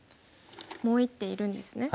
もう１手いるんですね。